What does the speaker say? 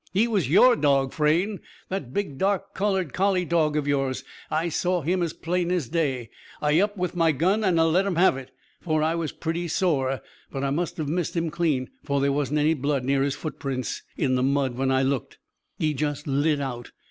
"He was your dog, Frayne! That big dark coloured collie dog of yours. I saw him as plain as day. I upped with my gun and I let him have it. For I was pretty sore. But I must have missed him, clean. For there wasn't any blood near his footprints, in the mud, when I looked. He just lit out.